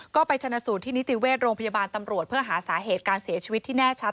ก็ไปชนะสูตรที่นิติเวชโรงพยาบาลตำรวจเพื่อหาสาเหตุการเสียชีวิตที่แน่ชัด